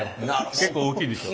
結構大きいでしょ？